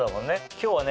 今日はね